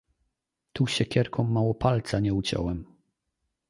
"Tu siekierą mało palca nie uciąłem."